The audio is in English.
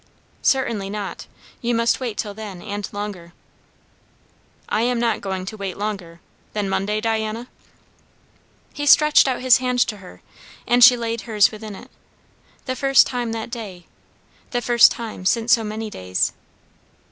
"Certainly not. You must wait till then, and longer." "I am not going to wait longer. Then Monday, Diana?" He stretched out his hand to her, and she laid hers within it. The first time that day; the first time since so many days.